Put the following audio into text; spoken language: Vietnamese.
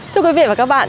thưa quý vị và các bạn